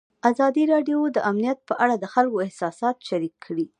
ازادي راډیو د امنیت په اړه د خلکو احساسات شریک کړي.